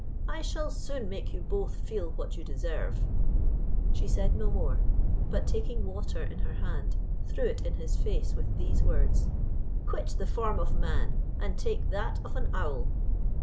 I shall soon make you both feel what you deserve." She said no more, but taking water in her hand, threw it in his face with these words, "Quit the form of man, and take that of an owl."